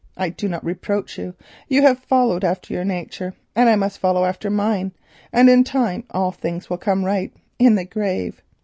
I do not reproach you; you have followed after your nature and I must follow after mine, and in time all things will come right—in the grave.